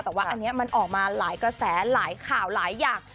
แต่ว่าอันนี้มันออกมาหลายกระแสหลายข่าวหลายอย่าง